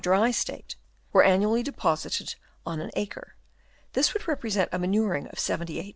245 " state were annually deposited on an acre, " this would represent a manuring of 78 lbs.